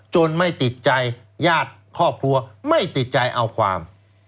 ไม่ติดใจญาติครอบครัวไม่ติดใจเอาความ